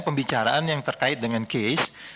pembicaraan yang terkait dengan case